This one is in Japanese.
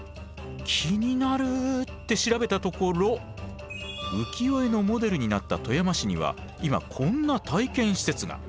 気になるって調べたところ浮世絵のモデルになった富山市には今こんな体験施設が。